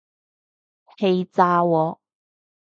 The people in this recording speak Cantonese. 氣炸鍋